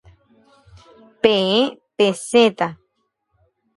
Peẽ pesẽta.